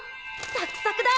サクサクだ！